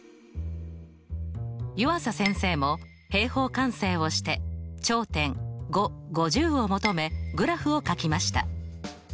湯浅先生も平方完成をして頂点を求めグラフをかきました。